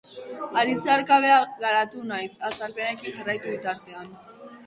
Hari zeharka beha geratu naiz azalpenarekin jarraitu bitartean.